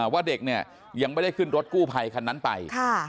ว่าเด็กเนี่ยยังไม่ได้ขึ้นรถกู้ภัยคันนั้นไป